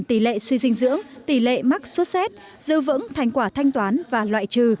tỷ lệ suy dinh dưỡng tỷ lệ mắc sốt xét giữ vững thành quả thanh toán và loại trừ